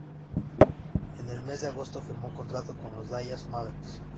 En el mes de agosto firmó contrato con los Dallas Mavericks.